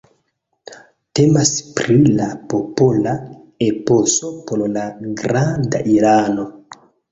Temas pri la popola eposo por la Granda Irano.